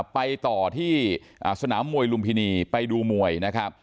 ไปต่อที่สนามมวยลุมพินีไปดูมวยนะครับ